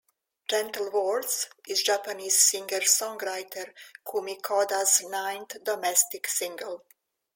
"Gentle Words" is Japanese singer-songwriter Kumi Koda's ninth domestic single.